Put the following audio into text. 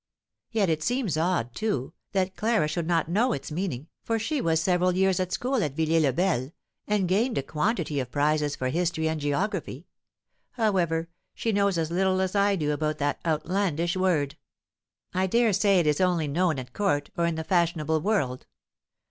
Yet it seems odd, too, that Clara should not know its meaning, for she was several years at school at Villiers le Bel, and gained a quantity of prizes for history and geography; however, she knows as little as I do about that outlandish word. I dare say it is only known at court, or in the fashionable world.